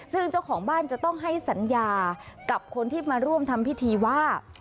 ซึ่งเจ้าของบ้านจะต้องให้สัญญากับคนที่มาร่วมทำพิธีว่า